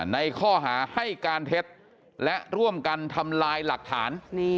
ในข้อหาให้การเท็จและร่วมกันทำลายหลักฐาน